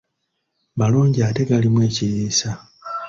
Malungi ate galimu ekiriisa